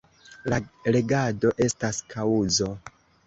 La legado estas kaŭzo.